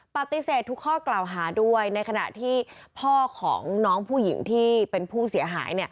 ปฏิเสธทุกข้อกล่าวหาด้วยในขณะที่พ่อของน้องผู้หญิงที่เป็นผู้เสียหาย